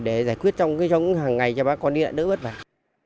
để giải quyết trong hàng ngày cho bác con đi lại đỡ bớt vậy